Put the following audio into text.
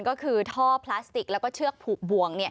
ก็คือท่อพลาสติกแล้วก็เชือกผูกบวง